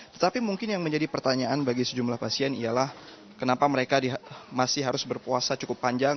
tetapi mungkin yang menjadi pertanyaan bagi sejumlah pasien ialah kenapa mereka masih harus berpuasa cukup panjang